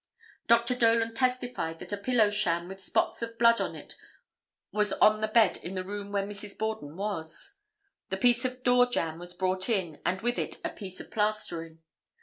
Dr. Dolan testified that a pillow sham with spots of blood on it was on the bed in the room where Mrs. Borden was. The piece of door jamb was brought in and with it a piece of plastering.